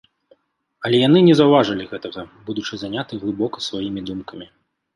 Але яны не заўважылі гэтага, будучы заняты глыбока сваімі думкамі.